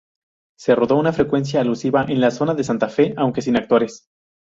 Se rodó una secuencia alusiva en la zona de Santa Fe, aunque sin actores.